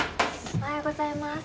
おはようございます。